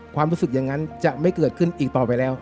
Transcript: ความรู้สึกอย่างนั้นจะไม่เกิดขึ้นอีกต่อไปแล้ว